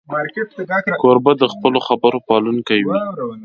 کوربه د خپلو خبرو پالونکی وي.